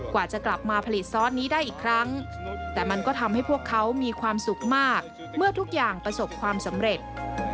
กว่าจะกลับมาผลิตซอสนี้ได้อีกครั้งแต่มันก็ทำให้พวกเขามีความสุขมากเมื่อทุกอย่างประสบความสำเร็จ